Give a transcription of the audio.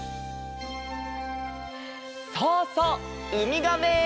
そうそうウミガメ！